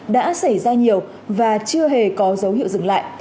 đã xảy ra nhiều và chưa hề có dấu hiệu dừng lại